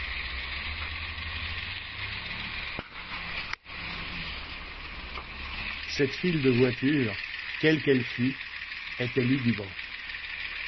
Cette file de voitures, quelle qu’elle fût, était lugubre.